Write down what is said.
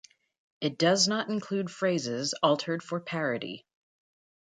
It does not include phrases altered for parody.